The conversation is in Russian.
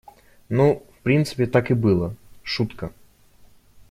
Ну, в принципе, так и было — шутка.